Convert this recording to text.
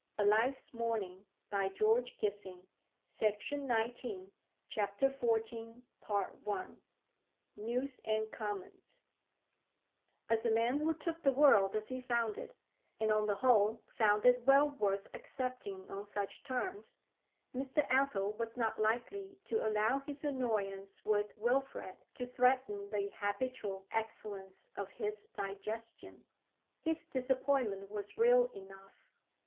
She suffered herself to be led upstairs, and did not speak. CHAPTER XIV NEWS AND COMMENTS As a man who took the world as he found it, and on the whole found it well worth accepting on such terms, Mr. Athel was not likely to allow his annoyance with Wilfrid to threaten the habitual excellence of his digestion. His disappointment was real enough.